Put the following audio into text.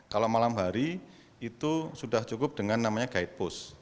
kalau malam hari itu sudah cukup dengan namanya guidepost